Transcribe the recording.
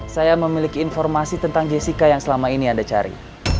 saya memiliki informasi tentang jessica yang selama ini anda cari